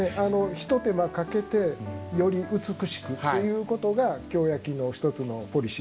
ひと手間かけてより美しくということが京焼の一つのポリシーかなと思います。